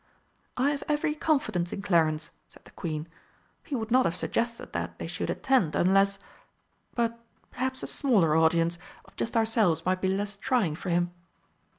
"I have every confidence in Clarence," said the Queen. "He would not have suggested that they should attend unless but perhaps a smaller audience, of just ourselves, might be less trying for him."